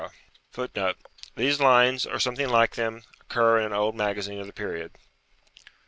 [Footnote: These lines, or something like them, occur in an old magazine of the period.